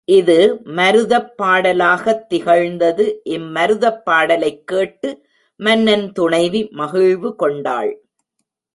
இது மருதப் பாடலாகத் திகழ்ந்தது இம் மருதப் பாடலைக் கேட்டு மன்னன் துணைவி மகிழ்வு கொண்டாள்.